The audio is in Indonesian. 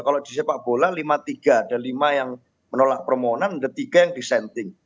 kalau di sepak bola lima tiga ada lima yang menolak permohonan ada tiga yang disenting